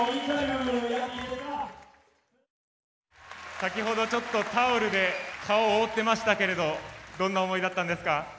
先ほどちょっとタオルで顔を覆ってましたけれどどんな思いだったんですか？